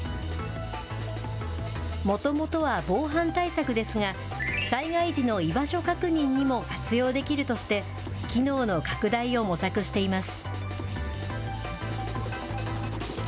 もともとは防犯対策ですが、災害時の居場所確認にも活用できるとして、機能の拡大を模索しています。